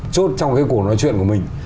chốt trong cái cuộc nói chuyện của mình